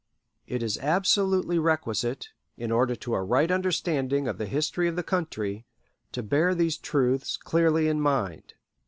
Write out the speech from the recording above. It is absolutely requisite, in order to a right understanding of the history of the country, to bear these truths clearly in mind.